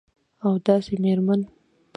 او داسي میرمن